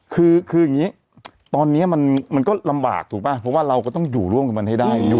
คืออย่างนี้ตอนนี้มันก็ลำบากถูกป่ะเพราะว่าเราก็ต้องอยู่ร่วมกับมันให้ได้